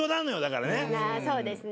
そうですね。